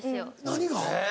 何が？